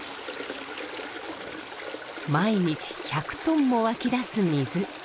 毎日１００トンも湧き出す水。